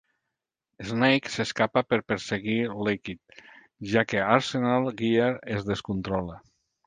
Snake s'escapa per perseguir Liquid, ja que Arsenal Gear es descontrola.